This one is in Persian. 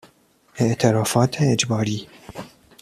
اعترافات اجباری